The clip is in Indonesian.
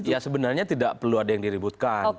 ya sebenarnya tidak perlu ada yang diributkan